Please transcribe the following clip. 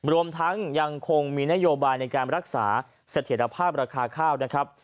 รวมทั้งยังคงมีนโยบายในการรักษาเสถียรภาพราคาข้าวนะครับ